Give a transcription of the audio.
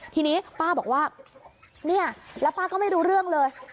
ทีนี้ป้าบอกว่าเนี่ยแล้วป้าก็ไม่รู้เรื่องเลย